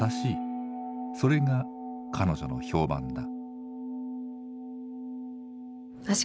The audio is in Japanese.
それが彼女の評判だ。